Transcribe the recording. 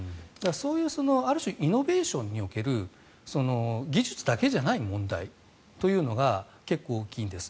そういうある種、イノベーションにおける技術だけじゃない問題というのが結構、大きいんです。